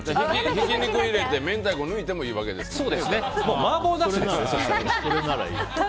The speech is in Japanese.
ひき肉を入れて明太子を抜いてもいいわけですよね。